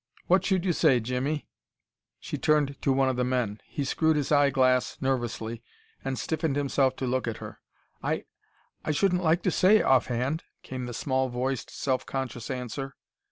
What should you say, Jimmy?" she turned to one of the men. He screwed his eyeglass nervously and stiffened himself to look at her. "I I shouldn't like to say, off hand," came the small voiced, self conscious answer.